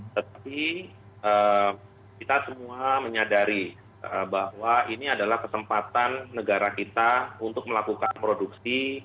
tapi kita semua menyadari bahwa ini adalah kesempatan negara kita untuk melakukan produksi